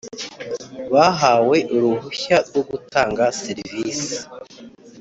Bahawe uruhushya rwo gutanga serivisi